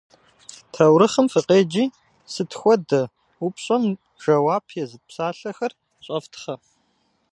Таурыхъым фыкъеджи, «сыт хуэдэ?» упщӏэм жэуап езыт псалъэхэр щӏэфтхъэ.